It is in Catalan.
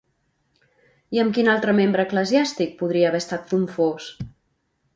I amb quin altre membre eclesiàstic podria haver estat confós?